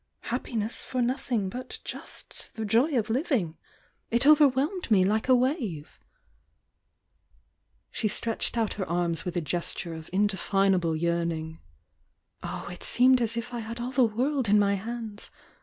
— happiness for nothing but just the joy of living!— THE YOUNG DIANA 20T it overwhelmed me like a wave !" She stretched out her arms with a gesture of indefinable yearning — "Oh, it seemed as if I had all the world in my hands!